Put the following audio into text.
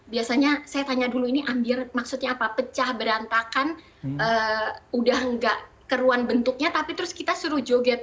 biasanya saya tanya dulu ini ambire maksudnya apa pecah berantakan udah nggak keruan bentuknya tapi terus kita suruh joget